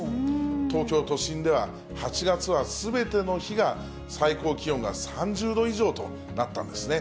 東京都心では、８月はすべての日が最高気温が３０度以上となったんですね。